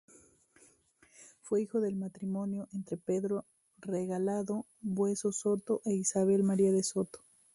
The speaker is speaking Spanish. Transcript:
Fue hijo del matrimonio entre: Pedro Regalado Bueso Soto e Isabel María de Soto.